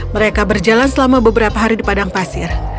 mereka berjalan selama beberapa hari di padang pasir